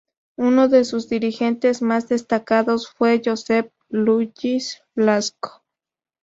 Uno de sus dirigentes más destacados fue Josep Lluís Blasco.